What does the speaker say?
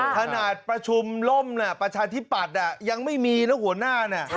ถนาดประชุมล่มประชาธิบัตรยังไม่มีนะหัวหน้า